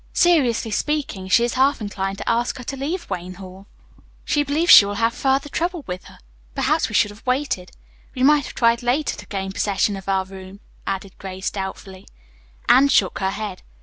"Seriously speaking, she is half inclined to ask her to leave Wayne Hall. She believes she will have further trouble with her. Perhaps we should have waited. We might have tried, later, to gain possession of our room," added Grace doubtfully. Anne shook her head.